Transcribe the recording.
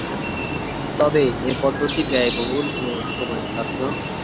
তবে এ পদ্ধতি ব্যয়বহুল ও সময়সাধ্য।